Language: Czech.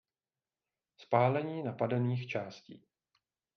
Spálení napadených částí.